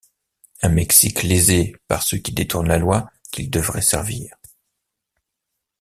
Un Mexique lésé par ceux qui détournent la Loi qu'ils devraient servir.